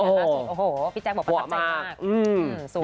โอ้โหพี่แจ๊คบอกประทับใจมาก